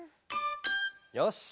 よし！